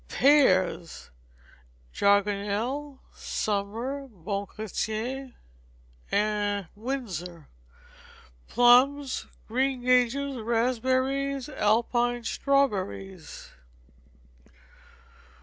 Pears: Jargonelle, summer, Bon Chrétien, Windsor. Plums, greengages, raspberries, Alpine strawberries.